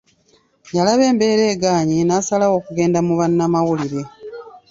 Yalaba embeera egaanye, n’asalawo okugenda mu bannamawulire.